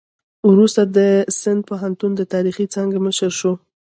وروسته د سند پوهنتون د تاریخ څانګې مشر شو.